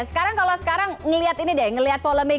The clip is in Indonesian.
sekarang kalau sekarang ngelihat ini deh ngeliat polemik